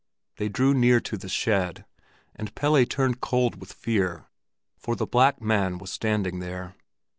They drew near to the shed, and Pelle turned cold with fear, for the black man was still standing there.